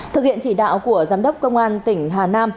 thực hiện chỉ đạo của giám đốc công an tỉnh hà nam